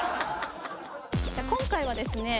今回はですね